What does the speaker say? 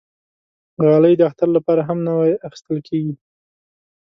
غالۍ د اختر لپاره هم نوی اخېستل کېږي.